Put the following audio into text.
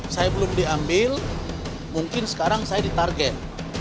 saya belum diambil mungkin sekarang saya di target